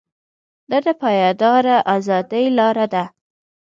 دا د پایداره ازادۍ لاره ده.